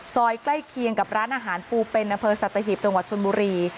ซอยใกล้เคียงกับร้านอาหารฟูเป็นอสัตถิฮิปจชนบุรี